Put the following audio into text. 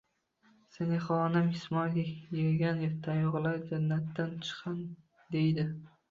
Sanihaxonim Ismoil yegan tayoqlar jannatdan chiqqan deydi.